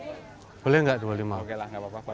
oke lah nggak apa apa